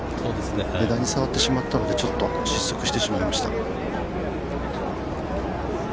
枝に触ってしまったので、ちょっと失速してしまいました。